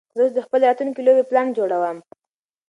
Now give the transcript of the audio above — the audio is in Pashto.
زه اوس د خپلې راتلونکې لوبې پلان جوړوم.